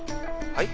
はい？